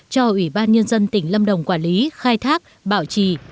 cho ủy ban nhân dân tỉnh lâm đồng quản lý khai thác bảo trì